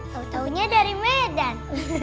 tau taunya dari medan